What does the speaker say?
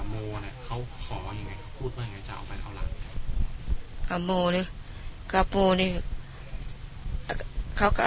พอกาโมเนี่ยเขาขอยังไงเขาพูดว่าจะเอาไปเอาหลัง